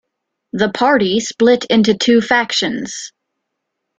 The Party split into two factions.